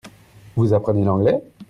Vous apprenez l'anglais ?